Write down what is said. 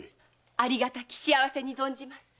ありがたき幸せに存じまする。